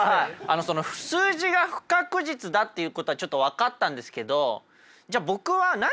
その数字が不確実だっていうことはちょっと分かったんですけど